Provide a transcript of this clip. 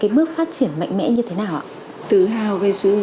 ví dụ như thế thì